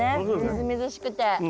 みずみずしくて。